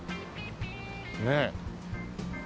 ねえ。